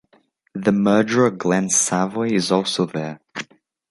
The murderer Glen Savoy is also there.